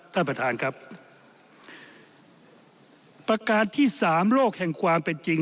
ท่านประธานครับประการที่สามโลกแห่งความเป็นจริง